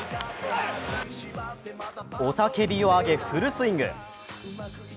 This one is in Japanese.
雄たけびを上げ、フルスイング。